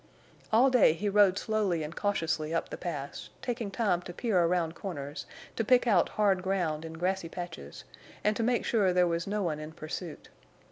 All day he rode slowly and cautiously up the Pass, taking time to peer around corners, to pick out hard ground and grassy patches, and to make sure there was no one in pursuit.